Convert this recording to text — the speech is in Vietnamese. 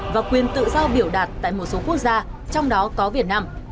và quyền tự do biểu đạt tại một số quốc gia trong đó có việt nam